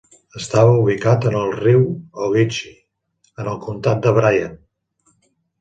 Estava ubicat en el riu Ogeechee, en el comtat de Bryan.